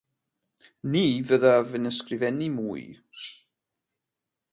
Ni fyddaf yn ysgrifennu mwy!